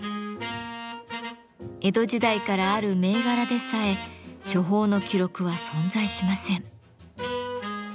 江戸時代からある銘柄でさえ処方の記録は存在しません。